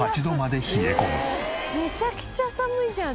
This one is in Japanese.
めちゃくちゃ寒いじゃん。